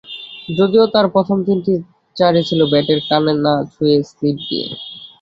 যদিও তাঁর প্রথম তিনটি চারই ছিল ব্যাটের কানা ছুঁয়ে স্লিপ দিয়ে।